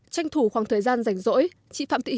tranh thủ khoảng thời gian rảnh rỗi